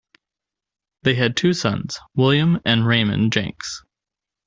They had two sons, William and Reymond Jenks.